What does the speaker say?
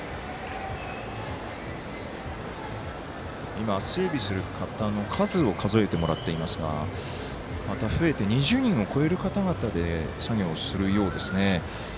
今、整備する方の数を数えてもらっていますがまた増えて２０人を超える方々で作業をするようですね。